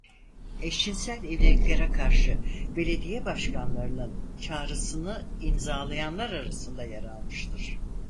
Eşcinsel evliliklere karşı belediye başkanlarının çağrısını imzalayanlar arasında yer almıştır.